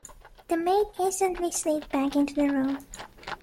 The maid instantly slid back into the room.